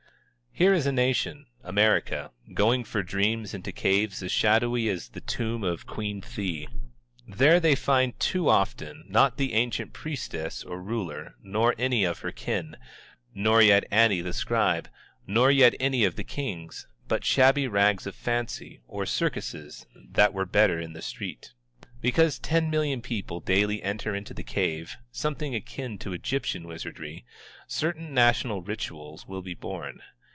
Here is a nation, America, going for dreams into caves as shadowy as the tomb of Queen Thi. There they find too often, not that ancient priestess and ruler, nor any of her kin, nor yet Ani the scribe, nor yet any of the kings, but shabby rags of fancy, or circuses that were better in the street. Because ten million people daily enter into the cave, something akin to Egyptian wizardry, certain national rituals, will be born.